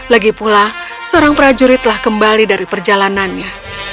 lagipula seorang prajurit telah kembali dari perjalanannya